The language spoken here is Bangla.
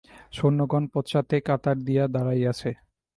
সৈন্যগণ পশ্চাতে কাতার দিয়া দাঁড়াইয়াছে।